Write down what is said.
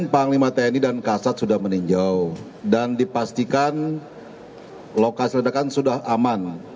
panglima tni dan kasat sudah meninjau dan dipastikan lokasi ledakan sudah aman